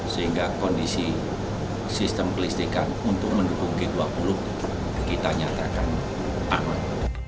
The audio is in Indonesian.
sehingga kondisi sistem kelistikan untuk mendukung g dua puluh kita nyatakan aman